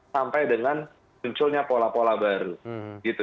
sampai dengan munculnya pola pola baru gitu